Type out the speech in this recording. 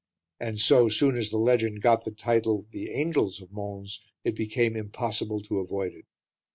And so soon as the legend got the title "The Angels of Mons" it became impossible to avoid it.